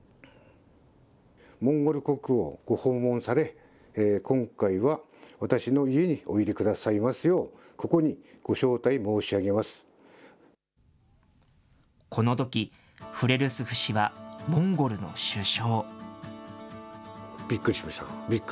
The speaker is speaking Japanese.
モンゴル国をご訪問され、今回は私の家においでくださいますよう、ここにご招待申し上げまこのとき、フレルスフ氏はモンゴルの首相。